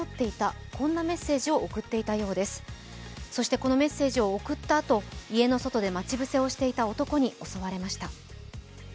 このメッセージを送ったあと家の外で待ち伏せをしていた男に襲われました。